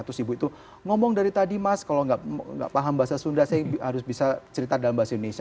terus ibu itu ngomong dari tadi mas kalau nggak paham bahasa sunda saya harus bisa cerita dalam bahasa indonesia